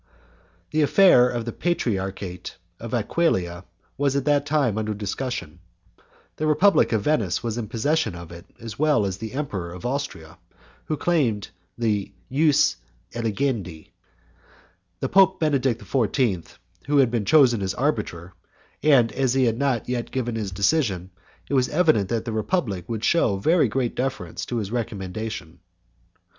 The affair of the Patriarchate of Aquileia was at that time under discussion; the Republic of Venice was in possession of it as well as the Emperor of Austria, who claimed the 'jus eligendi': the Pope Benedict XIV. had been chosen as arbitrator, and as he had not yet given his decision it was evident that the Republic would shew very great deference to his recommendation.